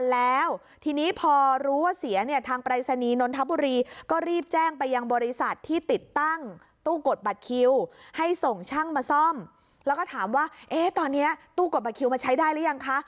แล้วก็ถามว่าตอนนี้ตู้กดบัตรคิวมาใช้ได้หรือยังคะ